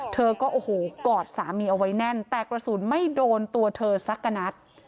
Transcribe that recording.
เธอก็โอ้โหกอดสามีเอาไว้แน่นแต่กระสุนไม่โดนตัวเธอสักกะนัด